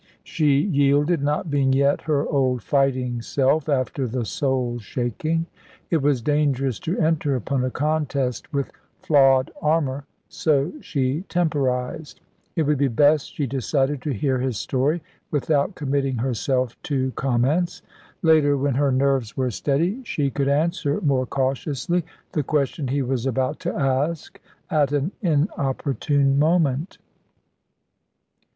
She yielded, not being yet her old fighting self after the soul shaking. It was dangerous to enter upon a contest with flawed armour, so she temporised. It would be best, she decided, to hear his story, without committing herself to comments. Later, when her nerves were steady, she could answer more cautiously the question he was about to ask at an inopportune moment.